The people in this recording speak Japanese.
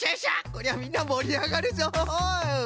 こりゃみんなもりあがるぞ！